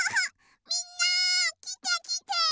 みんなきてきて！